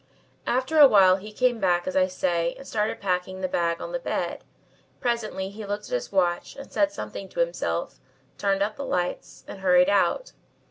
"After a while he came back as I say and started packing the bag on the bed. Presently he looked at his watch and said something to himself, turned out the lights and hurried out.